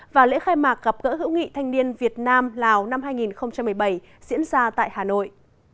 và lễ khai mạc gặp gỡ hữu nghị thanh niên việt nam lào năm hai nghìn một mươi bảy diễn ra tại hà nội